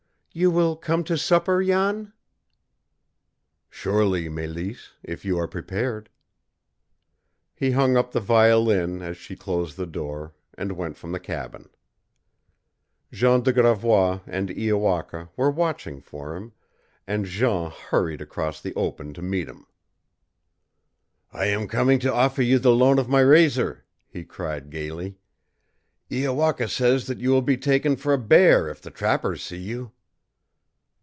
"You will come to supper, Jan?" "Surely, Mélisse, if you are prepared." He hung up the violin as she closed the door, and went from the cabin. Jean de Gravois and Iowaka were watching for him, and Jean hurried across the open to meet him. "I am coming to offer you the loan of my razor," he cried gaily. "Iowaka says that you will be taken for a bear if the trappers see you."